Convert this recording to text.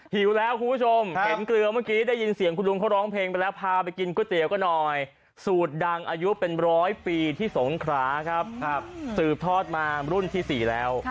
หิวแล้วคุณผู้ชมเห็นเกลือเมื่อกี้ได้ยินเสียงคุณลุงเขาร้องเพลงไปแล้วพาไปกินก๋วยเตี๋ยวกันหน่อยสูตรดังอายุเป็นร้อยปีที่สงขราครับสืบทอดมารุ่นที่๔แล้ว